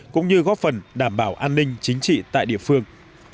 cũng như góp phần đảm bảo an ninh chính trị tại địa phương